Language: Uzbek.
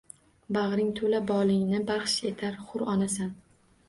Bagʼring toʼla bolingni baxsh etar hur onasan.